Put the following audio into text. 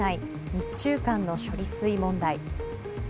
日中間の処理水問題。